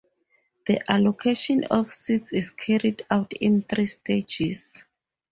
The allocation of seats is carried out in three stages.